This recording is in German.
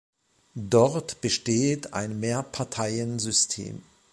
Dort besteht ein Mehrparteiensystem.